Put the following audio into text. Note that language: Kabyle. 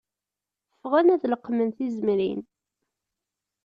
Ffɣen ad leqmen tizemrin